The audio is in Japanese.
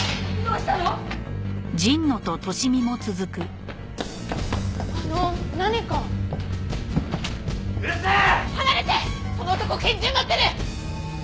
その男拳銃持ってる！